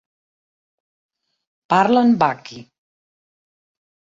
Parlen vakhi.